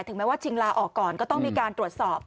แม้ว่าชิงลาออกก่อนก็ต้องมีการตรวจสอบ